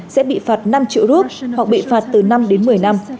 sẽ bị phạt năm triệu rup hoặc bị phạt từ năm đến một mươi năm